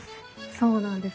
そうなんです。